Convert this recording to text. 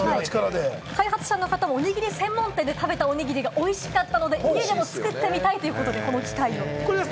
開発の方も、おにぎり専門店で食べたおにぎりが美味しかったので、家でも作ってみたいということで考えたということです。